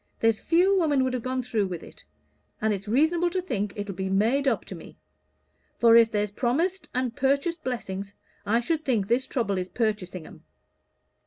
There's few women would have gone through with it; and it's reasonable to think it'll be made up to me; for if there's promised and purchased blessings, I should think this trouble is purchasing 'em.